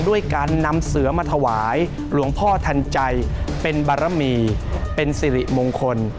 ด้วยการนำเสือมาถวายหลวงพ่อทันใจเป็นบารมีเป็นสิริมงคล